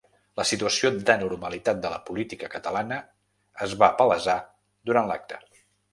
La situació d’anormalitat de la política catalana es va palesar durant l’acte.